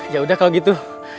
ya udah kalau gitu